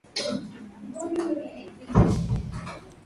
aa mimi sidhani kwasababu moja kuu